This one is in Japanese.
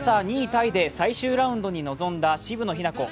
タイで最終ラウンドに臨んだ渋野日向子。